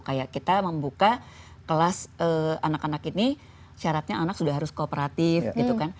kayak kita membuka kelas anak anak ini syaratnya anak sudah harus kooperatif gitu kan